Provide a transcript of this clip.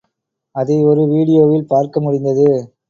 அதை ஒரு வீடியோவில் பார்க்க முடிந்தது.